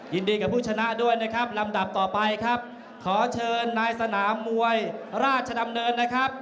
ยินดีกับผู้ชนะด้วยนะครับลำดับต่อไปครับขอเชิญนายสนามมวยราชดำเนินนะครับ